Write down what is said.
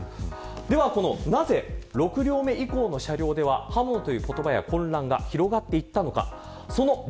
ではなぜ、６両目以降の車両では刃物という言葉や混乱が広がっていったのか。